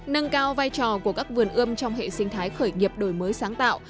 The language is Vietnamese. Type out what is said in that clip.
nâng cao vai trò của các vườn ươm trong hệ sinh thái khởi nghiệp đổi mới sáng tạo